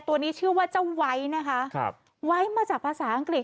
ตัวนี้ชื่อว่าเจ้าไวไวมาจากภาษาอังกฤษ